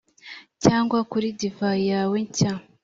cyangwa kuri divayi yawe nshya,